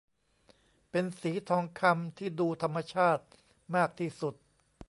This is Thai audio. เป็นสีทองคำที่ดูธรรมชาติมากที่สุด